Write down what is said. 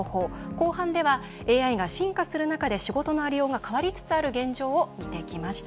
後半ではＡＩが進化する中で仕事のありようが変わりつつある現状を見てきました。